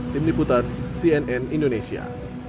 tim diputan cnn indonesia